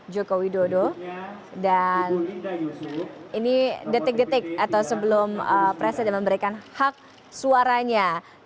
joko widodo dan ini detik detik atau sebelum presiden memberikan hak suaranya